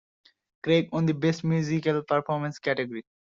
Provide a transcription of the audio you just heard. Craig won the Best Musical Performance category.